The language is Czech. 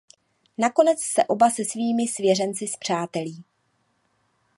Nakonec se oba se svými svěřenci spřátelí.